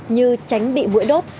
như tránh bị mũi đốt